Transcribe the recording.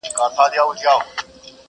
عبدالباري جهاني !.